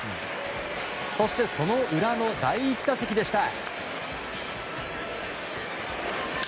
そしてその裏の第１打席でした。